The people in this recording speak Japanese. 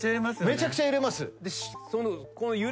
めちゃくちゃ揺れます。